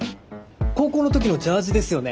高校の時のジャージですよね？